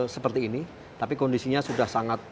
seperti ini tapi kondisinya sudah sangat